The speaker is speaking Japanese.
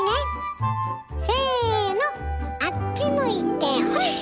せのあっち向いてホイ！